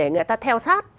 để người ta theo sát